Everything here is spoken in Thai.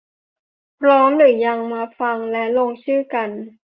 พร้อมหรือยัง ! มาฟังและลงชื่อกัน